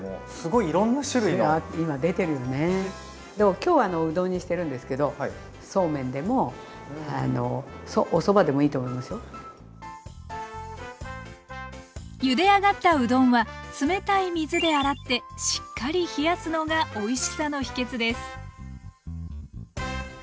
今日はうどんにしてるんですけどゆで上がったうどんは冷たい水で洗ってしっかり冷やすのがおいしさの秘けつです。